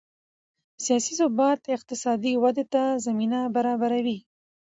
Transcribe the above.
سیاسي ثبات اقتصادي ودې ته زمینه برابروي